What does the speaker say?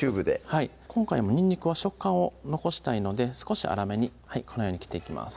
今回もにんにくは食感を残したいので少し粗めにこのように切っていきます